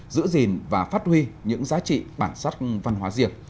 giữ gìn và phát huy những giá trị bản sắc văn hóa riêng